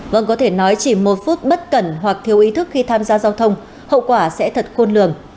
vâng có thể nói chỉ một phút bất cẩn hoặc thiếu ý thức khi tham gia giao thông hậu quả sẽ thật khôn lường